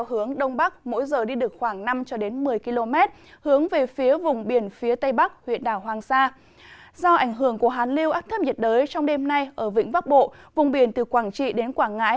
hàn liêu áp thấp nhiệt đới trong đêm nay ở vĩnh vác bộ vùng biển từ quảng trị đến quảng ngãi